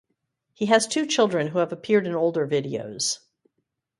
He has two children who have appeared in older videos.